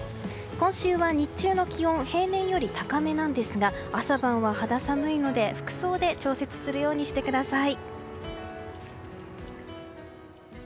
今週は日中の気温平年より高めなんですが朝晩は肌寒いので服装で調節するようにしてください。